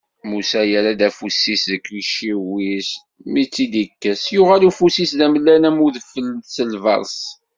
Musa yerra afus-is deg iciwi-s, mi t-id-ikkes, yuɣal ufus-is d amellal am udfel si lberṣ.